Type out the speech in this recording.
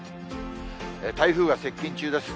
台風が接近中です。